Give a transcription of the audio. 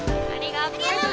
ありがとう。